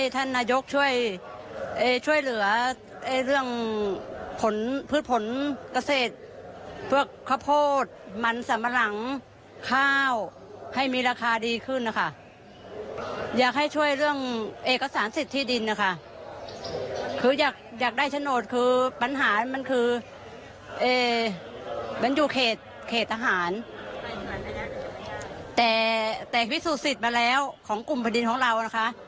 แต่พิสูจน์สิทธิ์มาแล้วของกลุ่มประดิษฐิ์ของเรานะคะ